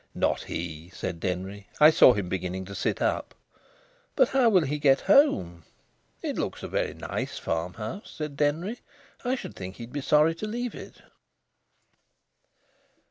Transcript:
"Not he!" said Denry. "I saw him beginning to sit up." "But how will he get home?" "It looks a very nice farmhouse," said Denry. "I should think he'd be sorry to leave it."